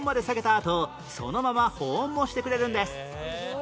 あとそのまま保温もしてくれるんです